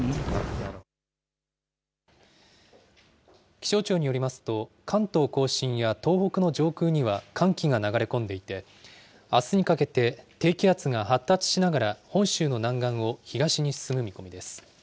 気象庁によりますと、関東甲信や東北の上空には寒気が流れ込んでいて、あすにかけて低気圧が発達しながら本州の南岸を東に進む見込みです。